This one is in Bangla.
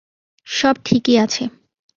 সব ঠিকই আছে।